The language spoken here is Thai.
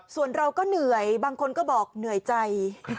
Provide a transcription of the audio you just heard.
ส่วนเราก็เหนื่อยบางคนก็บอกเหนื่อยใจ